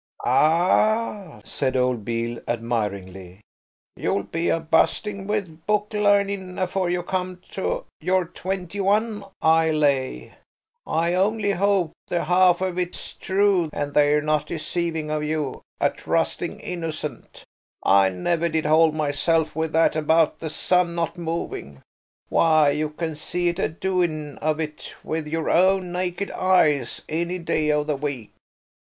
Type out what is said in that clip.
"Ah," said old Beale admiringly, "you'll be a busting with book larnin' afore you come to your twenty one, I lay. I only hope the half of it's true and they're not deceiving of you, a trusting innocent. I never did hold myself with that about the sun not moving. Why, you can see it a doin' of it with your own naked eyes any day of the week."